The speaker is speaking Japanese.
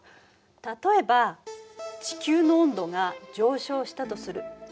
例えば地球の温度が上昇したとする。